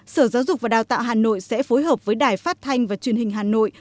sở giáo dục và đào tạo hà nội sẽ phối hợp với đài phát thanh và truyền hình hà nội